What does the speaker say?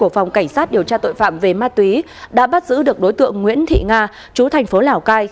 phòng cảnh sát điều tra tội phạm về ma túy đã bắt giữ được đối tượng nguyễn thị nga chú thành phố lào cai